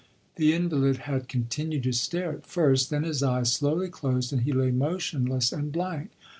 The invalid had continued to stare at first; then his eyes slowly closed and he lay motionless and blank.